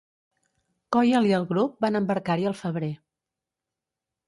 Coyle i el grup van embarcar-hi al febrer.